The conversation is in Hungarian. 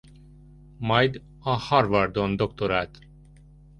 Majd a Harvardon doktorált.